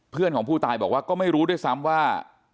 เพื่อนของผู้ตายบอกว่าก็ไม่รู้ด้วยซ้ำว่า